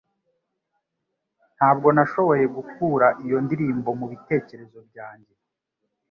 Ntabwo nashoboye gukura iyo ndirimbo mubitekerezo byanjye.